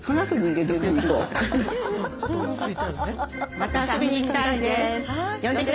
また遊びに行きたいです。